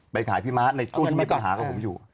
ไปขายพี่ม้าในจุดที่ไม่ไปหาเขาอยู่